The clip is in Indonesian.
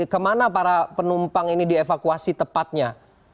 kemana para penumpang ini dievakuasi tepatnya